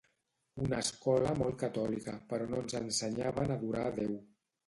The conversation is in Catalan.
Una escola molt catòlica però no ens ensenyaven a adorar a Déu